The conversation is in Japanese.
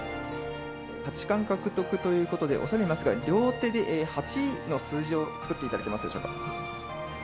八冠獲得ということで、恐れ入りますが、両手で八の数字を作っていただけますでしょうか。